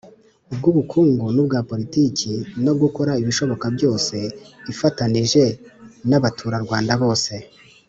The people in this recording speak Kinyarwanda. ubw'ubukungu n'ubwa politiki no gukora ibishoboka byose, ifatanije n'abaturarwanda bose,